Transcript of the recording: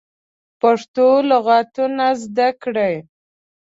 پښتو لغاتونه زده کړی